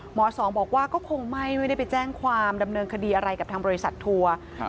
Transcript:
สองบอกว่าก็คงไม่ได้ไปแจ้งความดำเนินคดีอะไรกับทางบริษัททัวร์